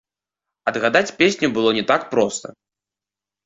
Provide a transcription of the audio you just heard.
Адгадаць песню было не так проста.